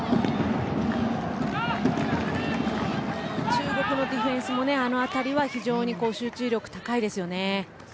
中国のディフェンスも当たりは非常に集中力が高いですよね。